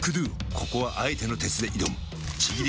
ここはあえての鉄で挑むちぎり